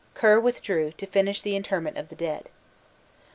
Ker withdrew, to finish the interment of the dead.